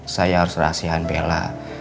saya harus rahasiakan bela